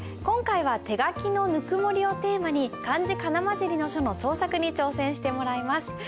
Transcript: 今回は「手書きのぬくもり」をテーマに漢字仮名交じりの書の創作に挑戦してもらいます。